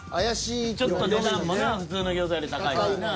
ちょっと値段もな普通の餃子より高いしな。